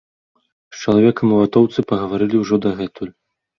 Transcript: З чалавекам у ватоўцы пагаварылі ўжо дагэтуль.